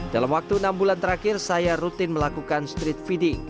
dalam waktu enam bulan terakhir saya rutin melakukan street feeding